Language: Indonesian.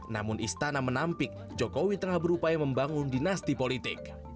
namun istana menampik jokowi tengah berupaya membangun dinasti politik